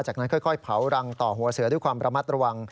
จากนั้นค่อยเผารังต่อหัวเสือด้วยความระมัดระวัง